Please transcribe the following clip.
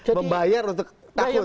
membayar untuk takut